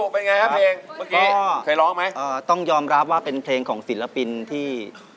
มีคนบอกเขาให้โอกาสนี่